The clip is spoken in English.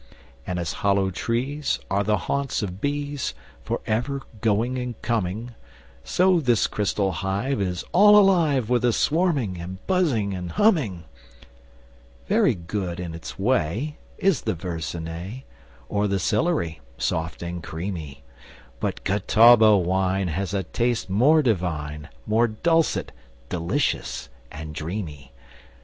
And as hollow trees Are the haunts of bees, For ever going and coming; So this crystal hive Is all alive With a swarming and buzzing and humming. Very good in its way Is the Verzenay, Or the Sillery soft and creamy; But Catawba wine Has a taste more divine, More dulcet, delicious, and dreamy.